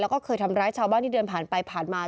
แล้วก็เคยทำร้ายชาวบ้านที่เดินผ่านไปผ่านมา